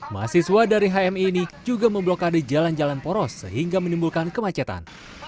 mahasiswa dari hmi ini juga memblokade jalan jalan poros sehingga menimbulkan kemacetan